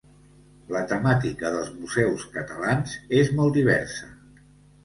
La temàtica dels museus catalans és molt diversa.